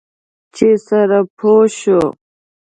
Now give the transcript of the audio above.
چې سره پوه شو.